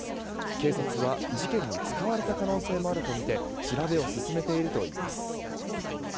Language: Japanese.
警察は事件に使われた可能性もあるとみて調べを進めているといいます。